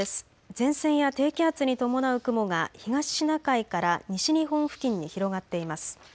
前線や低気圧に伴う雲が東シナ海から西日本付近に広がっています。